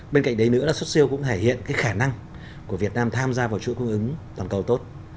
bên cạnh đấy nữa là xuất siêu cũng thể hiện cái khả năng của việt nam tham gia vào chuỗi cung ứng toàn cầu tốt